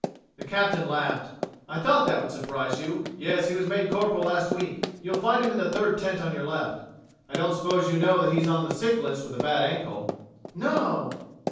The Captain laughed. "I thought that would surprise you. Yes, he was made Corporal last week. You'll find him in the third tent on your left. I don't suppose you know that he's on the sick list with a bad ankle?" "No!"